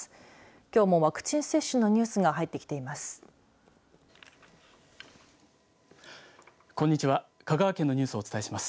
きょうもワクチン接種のニュースが入ってきています。